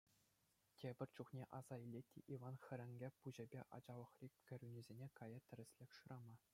Тепӗр чухне аса илет те Иван хӗрӗнкӗ пуҫӗпе ачалӑхри кӳренӳсене, каять тӗрӗслӗх шырама.